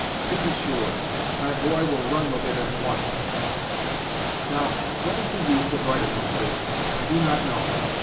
"To be sure. My boy will run with it at once." Now, what is the use of writing all this? I do not know.